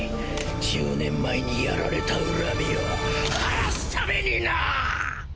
１０年前にやられた恨みを晴らすためにな！！